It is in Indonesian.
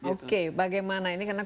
oke bagaimana ini karena